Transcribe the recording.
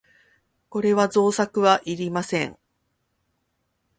これも造作はいりません。